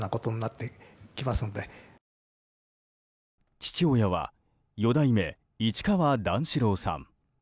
父親は四代目市川段四郎さん